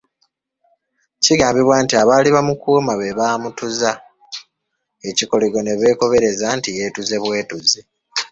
Kigambibwa nti abaali bamukuuma be bamutuza ekikoligo ne beekobereza nti yeetuze bwetuzi.